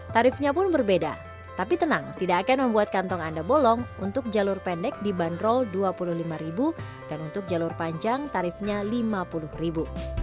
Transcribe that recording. tarifnya pun berbeda tapi tenang tidak akan membuat kantong anda bolong untuk jalur pendek dibanderol rp dua puluh lima dan untuk jalur panjang tarifnya rp lima puluh